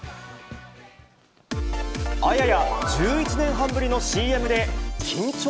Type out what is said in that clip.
あやや、１１年半ぶりのＣＭで緊張？